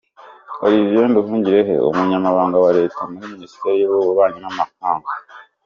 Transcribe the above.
Olivier Nduhungirehe, umunyamabanga wa leta muri minisiteri y'ububanyi n'amahanga.